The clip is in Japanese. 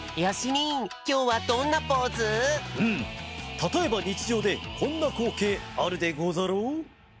たとえばにちじょうでこんなこうけいあるでござろう？